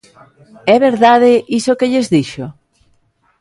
É verdade iso que lles dixo?